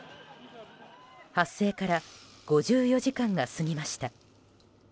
発生から５４時間が過ぎました。